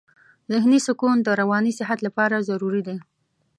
ذهني سکون د رواني صحت لپاره ضروري دی.